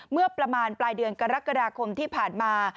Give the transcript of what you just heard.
เมื่อประมาณปลายเดือนกรกฎาคมที่ผ่านมา